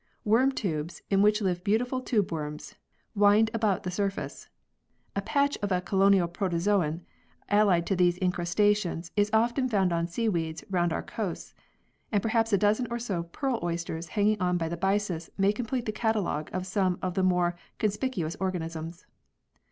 Worm tubes, in which live beautiful tube worms, wind about the surface. A patch of a colonial polyzoan, allied to those incrustations often found on seaweeds round our coasts, and perhaps a dozen or so pearl oysters hanging on by the byssus may complete the catalogue of some of the more con spicuous organisms.